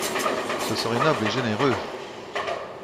Ce serait noble et généreux!